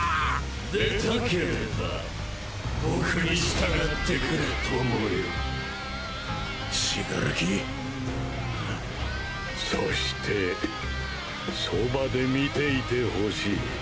出たければ僕に従ってくれ友よ。死柄木？そしてそばで見ていてほしい。